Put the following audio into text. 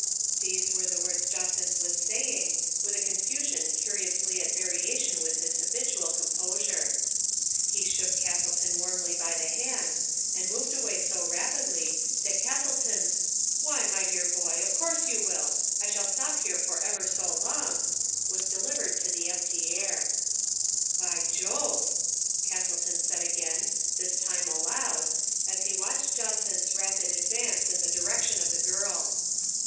These were the words Jacynth was say ing, with a confusion curiously at variation with his habitual composure. He shook Castleton Digitized by Google 26 TMe PAT^ op PPr^ELLA. warmly by the hand, and moved away so rapidly that Castleton's, " Why, my dear boy, of course you will ; I shall stop here for ever so long," was delivered to the empty air. " By Jove !*' Castleton said again, this time * aloud, as he watched Jacynth's rapid advance in the direction of the girl.